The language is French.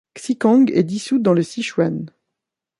Xikang est dissoute dans le Sichuan.